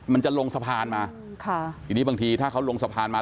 มันจะลงสะพานมาค่ะทีนี้บางทีถ้าเขาลงสะพานมา